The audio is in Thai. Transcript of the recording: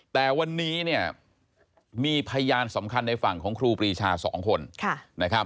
แต่วันนี้เนี่ยมีพยานสำคัญในฝั่งของครูปรีชา๒คนนะครับ